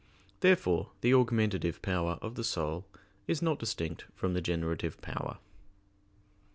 Therefore the augmentative power of the soul is not distinct from the generative power.